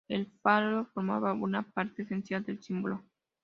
El falo formaba una parte esencial del símbolo.